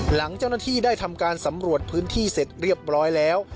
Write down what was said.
หลังเจ้าหน้าที่ได้ทำการสำรวจพื้นที่เสร็จเรียบร้อยแล้ว